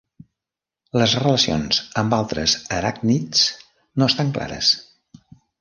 Les relacions amb altres aràcnids no estan clares.